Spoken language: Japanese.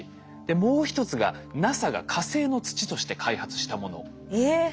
もう一つがＮＡＳＡが火星の土として開発したもの。えっ。